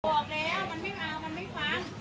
บอกแล้วมันไม่เอามันไม่ฟัง